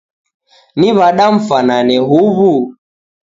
Ni w'ada mfanane huwu?